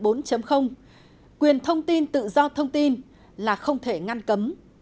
trong thời đại số bốn quyền thông tin tự do thông tin là không thể ngăn cấm